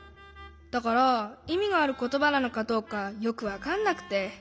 だからいみがあることばなのかどうかよくわかんなくて。